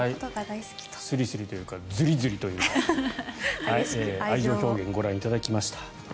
スリスリというかズリズリというか愛情表現、ご覧いただきました。